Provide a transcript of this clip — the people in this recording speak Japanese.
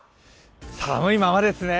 寒いままですね。